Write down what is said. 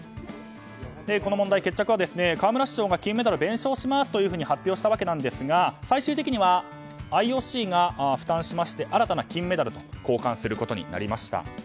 この問題、決着は河村市長が金メダルを弁償しますと発表したわけなんですが最終的にはＩＯＣが負担しまして新たな金メダルと交換することになりました。